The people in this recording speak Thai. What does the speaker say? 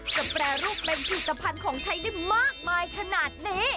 จะแปรรูปเป็นผิดสะพันธ์ของชัยได้มากมายขนาดนี้